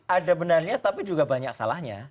ada benarnya tapi juga banyak salahnya